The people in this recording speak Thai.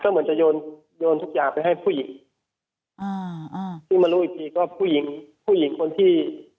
เหมือนจะโยนโยนทุกอย่างไปให้ผู้หญิงอ่าอ่าซึ่งมารู้อีกทีก็ผู้หญิงผู้หญิงคนที่